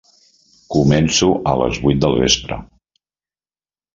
Començo a les vuit del vespre.